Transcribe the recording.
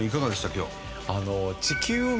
今日。